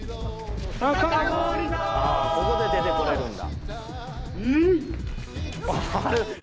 「あっここで出てこれるんだ」